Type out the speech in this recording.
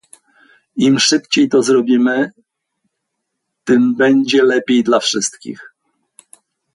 Im szybciej to zrobimy, tym będzie lepiej dla wszystkich